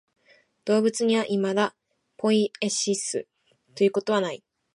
動物にはいまだポイエシスということはない。